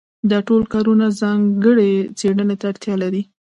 دا ټول کارونه ځانګړې څېړنې ته اړتیا لري.